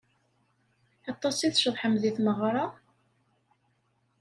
Aṭas i tceḍḥem di tmeɣra?